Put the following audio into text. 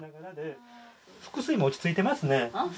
腹水も落ち着いてますね。